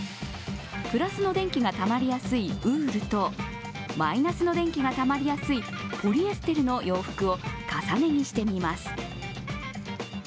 プラスの電気がたまりやすいウールと、マイナスの電気がたまりやすいポリエステルの洋服を重ね着してみます。